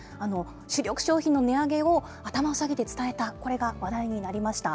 主力商品の値上げを頭を下げて伝えた、これが話題になりました。